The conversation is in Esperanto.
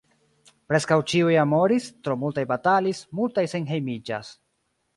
Preskaŭ ĉiuj amoris, tro multaj batalis, multaj senhejmiĝas.